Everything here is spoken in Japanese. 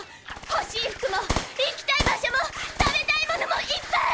ほしい服も行きたい場所も食べたい物もいっぱい！